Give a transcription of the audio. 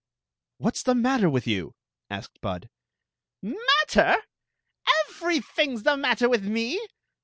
"What s the matter with you?" asked Bud "Matter? Everything s the matter with me.